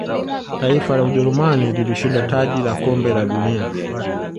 taifa la ujerumani lilishinda taji la kombe la dunia